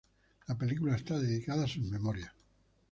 La película está dedicada a sus memorias.